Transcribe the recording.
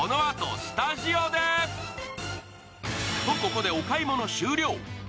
と、ここでお買い物終了。